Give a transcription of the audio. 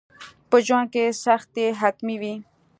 په ژوند کي سختي حتمي وي.